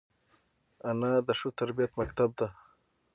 انا د ښه تربیت مکتب ده